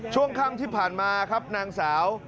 ช่วงค่ำที่ผ่านมาครับนางสาว